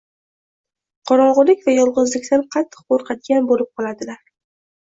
qorong‘ulik va yolg‘izlikdan qattiq qo‘rqadigan bo‘lib qoladilar.